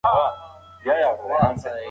مقاومت ستا د شخصیت استازیتوب کوي.